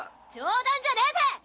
冗談じゃねえぜ！